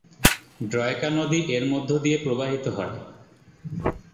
ড্রয়েকা নদী এর মধ্য দিয়ে প্রবাহিত হয়।